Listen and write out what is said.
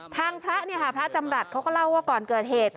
ทางพระพระจำรัฐเขาก็เล่าว่าก่อนเกิดเหตุ